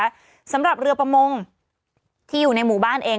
สำหรับเรือประมงที่อยู่ในหมู่บ้านเอง